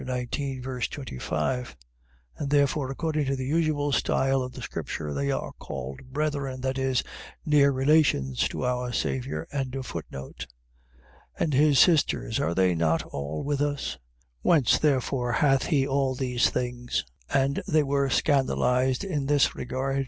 25,) and therefore, according to the usual style of the Scripture, they were called brethren, that is, near relations to our Saviour. 13:56. And his sisters, are they not all with us? Whence therefore hath he all these things? 13:57. And they were scandalized in his regard.